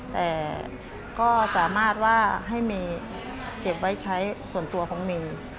แต่ก็สามารถว่าให้เมย์เก็บไว้ใช้ส่วนตัวของเมย์